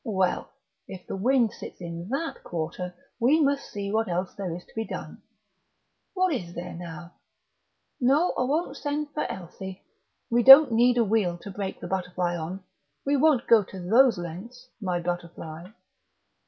Well, if the wind sits in that quarter we must see what else there is to be done. What is there, now?... No, I won't send for Elsie; we don't need a wheel to break the butterfly on; we won't go to those lengths, my butterfly...."